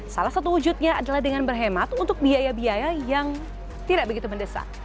salah satu wujudnya adalah dengan berhemat untuk biaya biaya yang tidak begitu mendesak